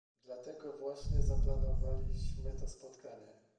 Dlatego właśnie zaplanowaliśmy to spotkanie